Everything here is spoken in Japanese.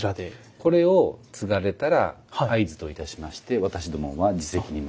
これをつがれたら合図といたしまして私どもは自席に戻ります。